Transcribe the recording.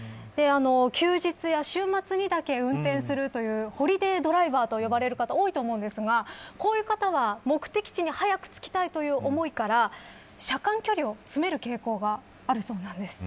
休日や週末にだけ運転するというホリデードライバーと呼ばれる方多いと思うんですがこういう方は目的地に早く着きたいという思いから車間距離を詰める傾向があるそうなんです。